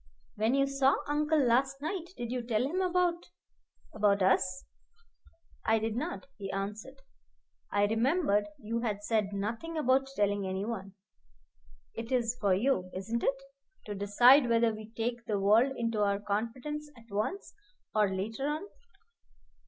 "When you saw uncle last night, did you tell him about about us?" "I did not," he answered. "I remembered you had said nothing about telling any one. It is for you isn't it? to decide whether we take the world into our confidence at once or later on."